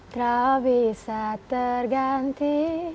terlalu bisa terganti